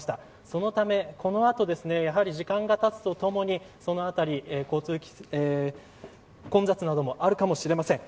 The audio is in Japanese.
そのため、このあと時間が経つと共にその辺り、混雑などもあるかもしれません。